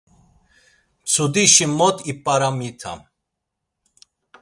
Mtsudişi mot ip̌aramitam.